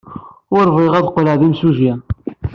Ur bɣiɣ ara ad qqleɣ d imsujji.